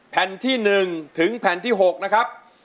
แผ่นที่๑ถึงแผ่นที่๖นะครับ